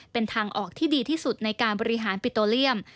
เป็นทางออกที่ดีที่สุดในการบริหารปิโตเลียม